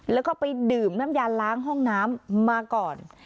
แล้วก็ไปดื่มน้ำยาล้างห้องน้ำมาก่อน